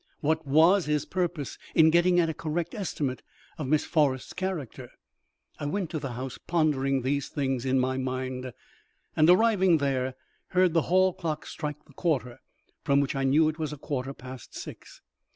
What was his purpose in getting at a correct estimate of Miss Forrest's character? I went to the house pondering these things in my mind, and, arriving there, heard the hall clock strike the quarter, from which I knew it was a quarter past six.